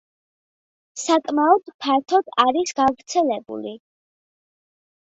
საკმაოდ ფართოდ არის გავრცელებული.